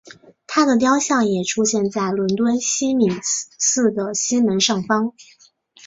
她的雕像也出现在伦敦西敏寺的西门上方。